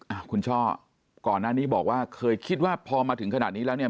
อ่ะคุณช่อก่อนหน้านี้บอกว่าเคยคิดว่าพอมาถึงขนาดนี้แล้วเนี่ย